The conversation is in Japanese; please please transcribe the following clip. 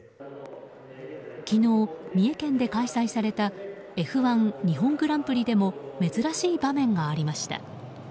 昨日、三重県で開催されたＦ１日本グランプリでも珍しい場面がありました。